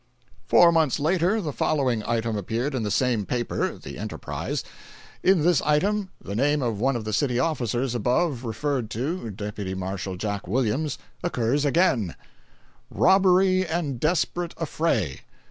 Four months later the following item appeared in the same paper (the Enterprise). In this item the name of one of the city officers above referred to (Deputy Marshal Jack Williams) occurs again: ROBBERY AND DESPERATE AFFRAY.